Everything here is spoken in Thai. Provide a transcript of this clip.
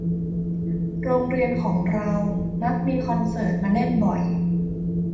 โรงเรียนของเรามักมีคอนเสิร์ตมาเล่นบ่อย